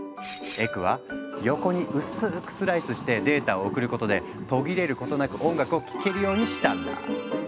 エクはヨコに薄くスライスしてデータを送ることで途切れることなく音楽を聴けるようにしたんだ。